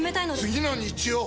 次の日曜！